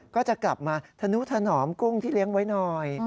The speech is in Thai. ก็จะกลับมาธนุถนอมกุ้งที่เลี้ยงไว้หน่อย